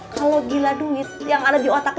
kalau gila duit yang ada di otak